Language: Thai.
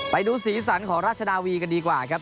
ไปดูสีสันของราชนาวีกันดีกว่าครับ